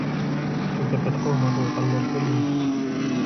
كذبت قوم لوط المرسلين